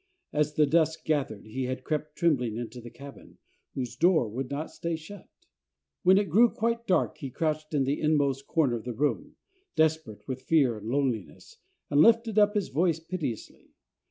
As the dusk gathered, he had crept trembling into the cabin, whose door would not stay shut. When it grew quite dark, he crouched in the inmost corner of the room, desperate with fear and loneliness, and lifted up his voice piteously.